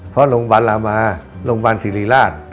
เพราะโรงพยาบาลรามาโรงพยาบาลศิริราช